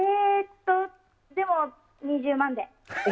でも、２０万で。